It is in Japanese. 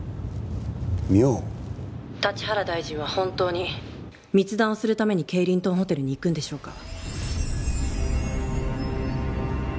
「立原大臣は本当に密談をするためにケイリントンホテルに行くんでしょうか？」